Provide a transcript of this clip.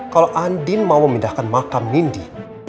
kalau andin mau memindahkan makam nindi